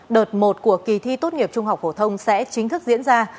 đợt một của kỳ thi tốt nghiệp trung học phổ thông sẽ chính thức diễn ra